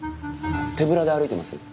手ぶらで歩いてます。